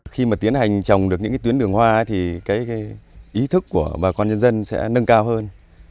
khi mà tiến hành trồng được những tuyến đường hoa thì ý thức của bà con nhân dân sẽ nâng cao hơn